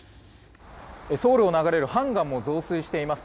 ソウルを流れる漢江も増水しています。